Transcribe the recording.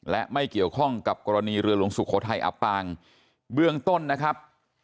และไม่เกี่ยวข้องกับกรณีเรือหลวงสุโขทัยอับปางเบื้องต้นนะครับ